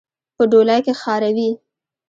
په ډولۍ کې خاروئ.